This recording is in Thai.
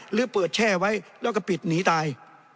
หรือเปิดแช่ไว้แล้วก็ปิดหนีตาย